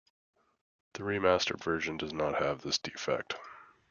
The remastered version does not have this defect.